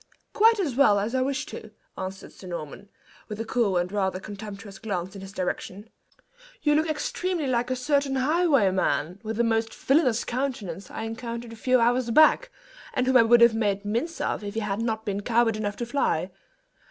"Quite as well as I wish to," answered Sir Norman, with a cool and rather contemptuous glance in his direction. "You look extremely like a certain highwayman, with a most villainous countenance, I encountered a few hours back, and whom I would have made mince most of if he had not been coward enough to fly.